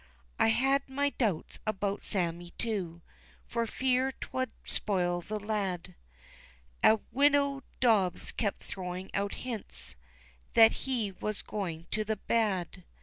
I had my doubts about Sammie too, For fear 'twould spoil the lad, An' widow Dobbs kept throwing out hints That he was going to the bad.